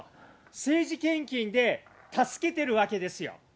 政治献金で助けてるわけですよ。